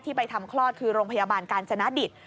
ที่ไปทำคลอดคือโรงพยาบาลการสนาดิษฐ์